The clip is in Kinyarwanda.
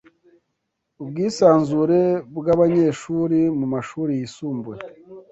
ubwisanzure bw'abanyeshuri mu mashuri yisumbuye